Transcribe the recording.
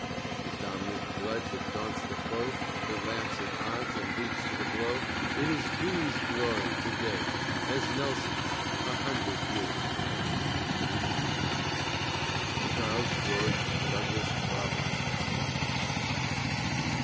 The dominant blood that daunts the foe, That laughs at odds, and leaps to the blow, It is Dewey's glory to day, as Nelson's A hundred years ago! CHARLES GEORGE DOUGLAS ROBERTS.